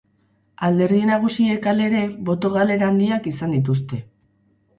Alderdi nagusiek, halere, boto galera handiak izan dituzte.